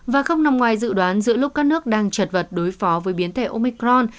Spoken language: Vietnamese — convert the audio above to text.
và không nằm ngoài dự đoán giữa lúc các nước đang trật vật đối phó với biến thể omicron